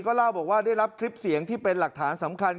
เล่าบอกว่าได้รับคลิปเสียงที่เป็นหลักฐานสำคัญ